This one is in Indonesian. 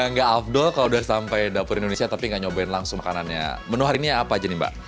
nggak afdol kalau udah sampai dapur indonesia tapi nggak nyobain langsung makanannya menu hari ini apa aja nih mbak